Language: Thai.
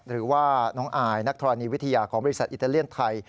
หรือว่าน้องอายนักธรณีวิทยาของบริษัทอิตาเลียนไทย